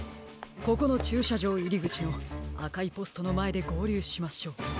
ここのちゅうしゃじょういりぐちのあかいポストのまえでごうりゅうしましょう。